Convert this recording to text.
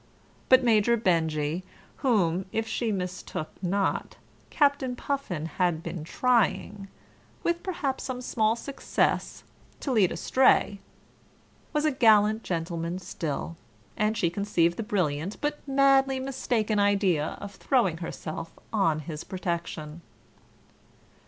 But Major Benjy, whom, if she mistook not, Captain Puffin had been trying, with perhaps some small success, to lead astray, was a gallant gentleman still, and she conceived the brilliant but madly mistaken idea of throwing herself on his protection.